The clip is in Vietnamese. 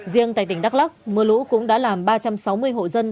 riêng tại tỉnh đắk lắc mưa lũ cũng đã làm ba trăm sáu mươi hộ dân